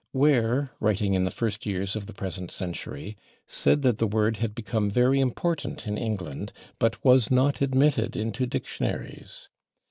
Ware, writing in the first years of the present century, said that the word had become "very important" in England, but was "not admitted into dictionaries."